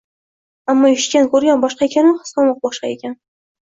Ammo eshitgan, ko`rgan boshqa ekan-u, his qilmoq boshqa ekan